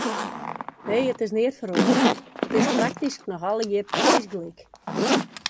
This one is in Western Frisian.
Nee, it is neat feroare, it is praktysk noch allegear persiis gelyk.